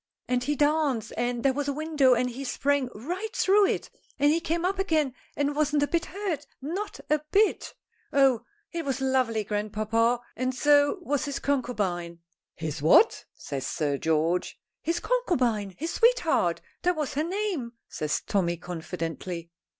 And he danced, and there was a window and he sprang right through it, and he came up again and wasn't a bit hurt, not a bit. Oh! he was lovely, grandpapa, and so was his concubine " "His what?" says Sir George. "His concubine. His sweetheart. That was her name," says Tommy confidently.